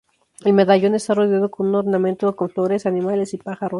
El medallón está rodeado con un ornamento con flores, animales y pájaros.